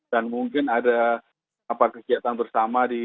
dan mungkin ada kegiatan bersama